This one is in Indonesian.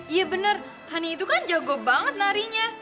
iya bener hany itu kan jago banget nari nya